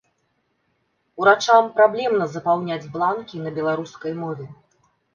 Урачам праблемна запаўняць бланкі на беларускай мове.